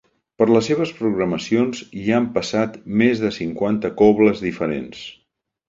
Per les seves programacions hi han passat més de cinquanta cobles diferents.